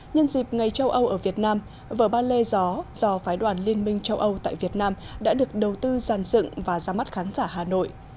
nhân dịp ngày châu âu ở việt nam vở ba lê gió do phái đoàn liên minh châu âu tại việt nam đã được đầu tư giàn dựng và ra mắt khán giả hà nội